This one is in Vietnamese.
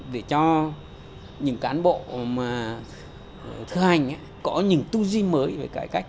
để cho những cán bộ mà thư hành có những tu di mới về cải cách